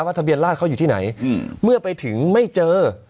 ทะเบียนราชเขาอยู่ที่ไหนเมื่อไปถึงไม่เจอ